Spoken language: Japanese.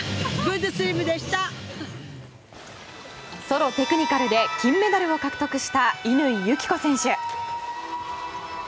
ソロテクニカルで金メダルを獲得した乾友紀子選手。